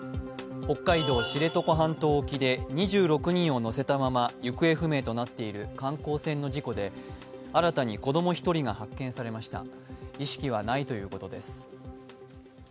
北海道知床半島沖で２６人を乗せたまま行方不明となっている観光船の事故で新たに子ども１人が発見されました意識はないということです。